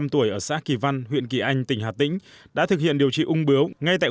sáu mươi năm tuổi ở xã kỳ văn huyện kỳ anh tỉnh hà tĩnh đã thực hiện điều trị ung bứu ngay tại